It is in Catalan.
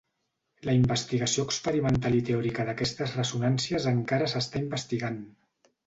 La investigació experimental i teòrica d'aquestes ressonàncies encara s'està investigant.